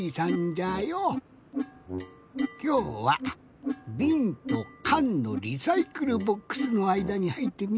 きょうはびんとかんのリサイクルボックスのあいだにはいってみたんじゃ。